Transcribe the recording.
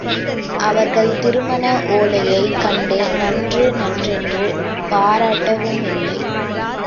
அவர்கள் திருமண ஒலையைக் கண்டு நன்று நன்றென்று பாராட்டவுமில்லை.